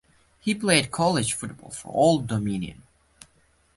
He played college football for Old Dominion.